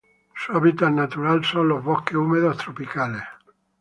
Su hábitat natural son los bosques húmedos tropical.